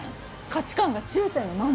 価値観が中世のまま。